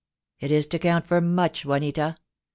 "It is to count for much, Juanita.